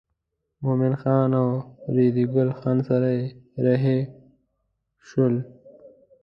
مومن خان او ریډي ګل خان سره رهي شول.